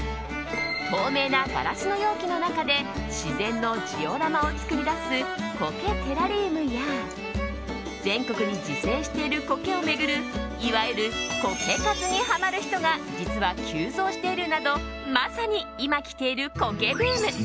透明なガラスの容器の中で自然のジオラマを作り出す苔テラリウムや全国に自生している苔を巡るいわゆるコケ活にハマる人が実は急増しているなどまさに今、来ている苔ブーム。